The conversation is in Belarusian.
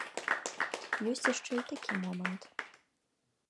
Ёсць яшчэ і такі момант.